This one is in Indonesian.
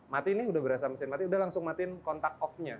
mati ini udah berasa mesin mati udah langsung matiin kontak off nya